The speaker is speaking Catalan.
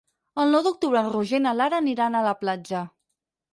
El nou d'octubre en Roger i na Lara aniran a la platja.